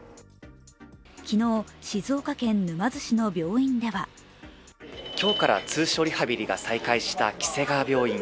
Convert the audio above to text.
昨日、静岡県沼津市の病院では今日から通所リハビリが再開したきせがわ院。